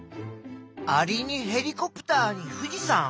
アリにヘリコプターに富士山。